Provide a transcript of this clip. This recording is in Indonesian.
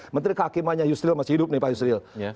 menteri kehakimannya yusril masih hidup nih pak yusril